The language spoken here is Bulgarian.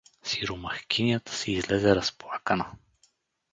Сиромахкинята си излезе разплакана.